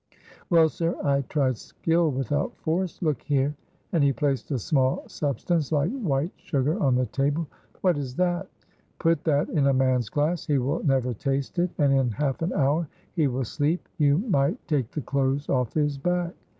Well, sir, I tried skill without force look here," and he placed a small substance like white sugar on the table. "What is that?" "Put that in a man's glass he will never taste it, and in half an hour he will sleep you might take the clothes off his back.